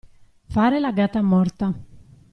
Fare la gattamorta.